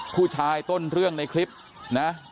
ผู้ชายต้นเรื่องในคลิปนะ